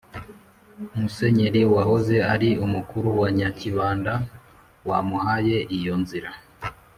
musenyeri wahoze ari umukuru wa nyakibanda wamhaye iyo nzira,